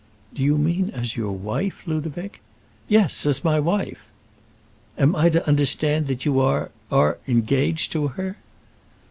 "Do you mean as your wife, Ludovic?" "Yes; as my wife." "Am I to understand that you are are engaged to her?"